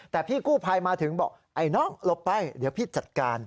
แต่พี่กู้ภัยมาถึงบอกไอ้น้องหลบไปเดี๋ยวพี่จัดการ